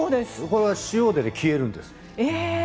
これは塩で消えるんです。